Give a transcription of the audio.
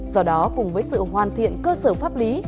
do đó cùng với sự hoàn thiện cơ sở pháp lý